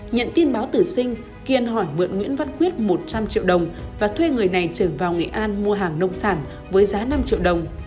nhận tin báo tử sinh kiên hỏi mượn nguyễn văn quyết một trăm linh triệu đồng và thuê người này trở vào nghệ an mua hàng nông sản với giá năm triệu đồng